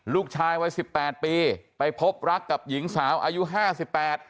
ลูกชายวัยสิบแปดปีไปพบรักกับหญิงสาวอายุห้าสิบแปด